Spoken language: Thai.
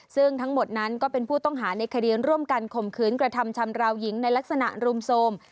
ซึ่งทั้งหมดนั้นก็เป็นผู้ต้องหาในคดีร่วมกันข่มขืนกระทำชำราวหญิงในลักษณะรุมโทรม